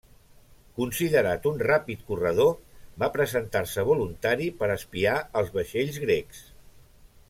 Considerat un ràpid corredor, va presentar-se voluntari per espiar els vaixells grecs.